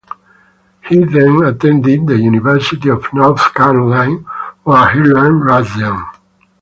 He then attended the University of North Carolina, where he learned Russian.